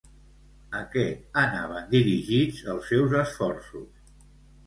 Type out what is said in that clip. A què anaven dirigits els seus esforços?